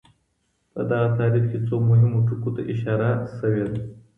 په دې تعريف کي څو مهمو ټکو ته اشاره سوي ده.